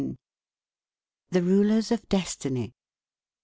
THE RULERS OF DESTINY.